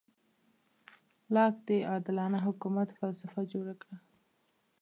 لاک د عادلانه حکومت فلسفه جوړه کړه.